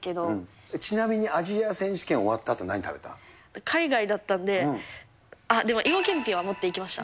ちなみにアジア選手権終わっ海外だったんで、でも芋けんぴは持っていきました。